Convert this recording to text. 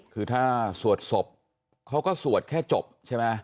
คือถ้าสวดศพเขาก็สวดแค่จบใช่ไหม